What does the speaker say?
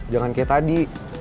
jangan kayak tadi